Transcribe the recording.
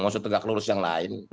maksudnya tegak lurus yang lain